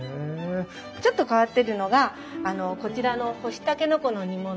ちょっと変わってるのがこちらの干しタケノコの煮物。